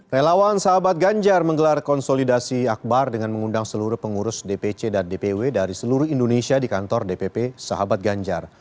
relawan sahabat ganjar menggelar konsolidasi akbar dengan mengundang seluruh pengurus dpc dan dpw dari seluruh indonesia di kantor dpp sahabat ganjar